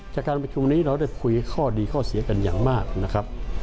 จากการประชุมนี้เราได้คุยข้อดีข้อเสียกันอย่างมากนะครับ